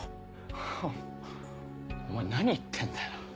ハハお前何言ってんだよ。